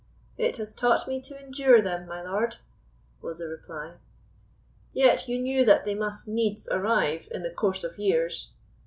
"It has taught me to endure them, my lord," was the reply. "Yet you knew that they must needs arrive in the course of years?"